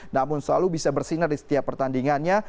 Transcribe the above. namun selalu bisa bersinar di setiap pertandingannya